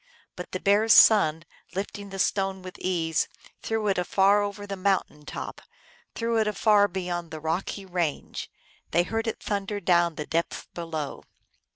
But the Bear s son, lifting the stone with ease, threw it afar over the mountain top, threw it afar beyond the rocky range ; they heard it thunder down tho depths below.